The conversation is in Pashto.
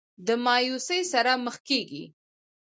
د مايوسۍ سره مخ کيږي